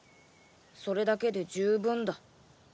それだけで十分だ。